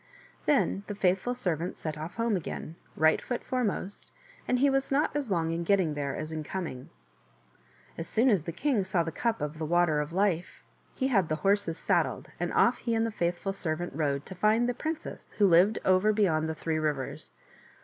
Then the faithful servant set off home again, right foot foremost, and he was not as long in getting there as in coming. As soon as the king saw the cup of the Water of Life he had the horses saddled, and off he and the faithful servant rode to find the princess who lived over beyond the three rivers.